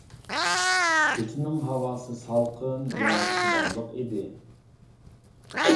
كېچىنىڭ ھاۋاسى سالقىن ۋە تۇمانلىق ئىدى.